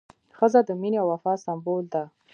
ښځه د مینې او وفا سمبول ده.